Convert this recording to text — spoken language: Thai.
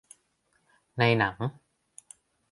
ในหนัง